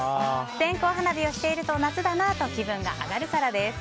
線香花火をしていると夏だなあと気分が上がるからです。